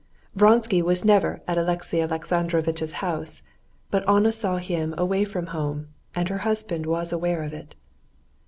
Vronsky was never at Alexey Alexandrovitch's house, but Anna saw him away from home, and her husband was aware of it.